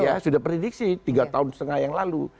ya sudah prediksi tiga tahun setengah yang lalu